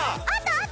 あった？